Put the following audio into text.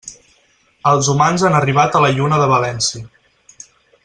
Els humans han arribat a la Lluna de València.